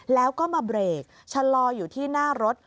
แล้วก็มาเบรกชะลออยู่ที่หน้ารถ